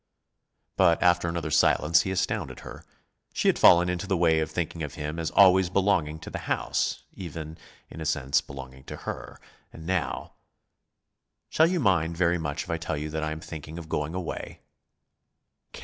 But, after another silence, he astounded her. She had fallen into the way of thinking of him as always belonging to the house, even, in a sense, belonging to her. And now "Shall you mind very much if I tell you that I am thinking of going away?"